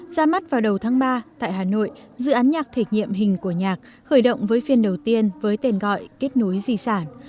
ra mắt vào đầu tháng ba tại hà nội dự án nhạc thể nghiệm hình của nhạc khởi động với phiên đầu tiên với tên gọi kết nối di sản